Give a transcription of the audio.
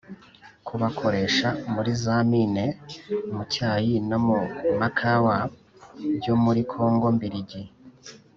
kubakoresha muri za mine, mu cyayi no mu makawa byo muri Kongo mbiligi.